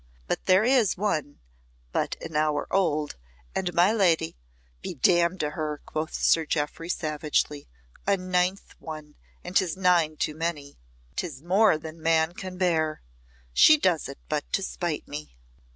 "But there is one, but an hour old, and my lady " "Be damned to her!" quoth Sir Jeoffry savagely. "A ninth one and 'tis nine too many. 'Tis more than man can bear. She does it but to spite me."